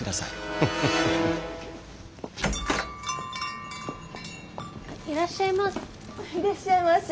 あいらっしゃいませ。